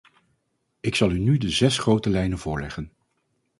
Ik zal u nu de zes grote lijnen voorleggen.